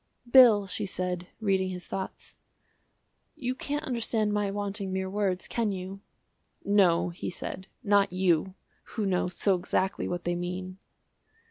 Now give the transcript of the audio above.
"Bill," she said, reading his thoughts, "you can't understand my wanting mere words, can you?" "No," he said, "not you, who know so exactly what they mean."